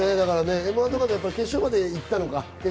『Ｍ−１』とかでやっぱり決勝まで行ったのか。